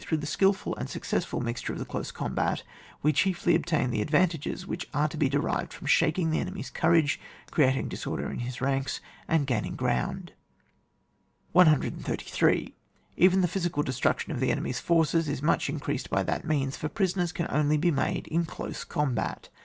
Through the skUful and success fill mixture of the close combat, we chiefly obtain the advantages which are to be derived from shaking the enemy's courage, creating disorder in his ranks, and gain ing ground. 133. Even the physical destruction of the enemy's forces is very much in creased by that means, for prisoners can only be made in close combat.